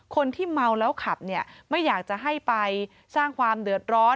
คนที่เมาแล้วขับเนี่ยไม่อยากจะให้ไปสร้างความเดือดร้อน